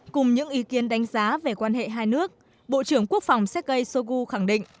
cùng những ý kiến đánh giá về quan hệ hai nước bộ trưởng quốc phòng sekei sogu khẳng định